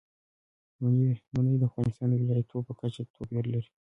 منی د افغانستان د ولایاتو په کچه توپیر لري.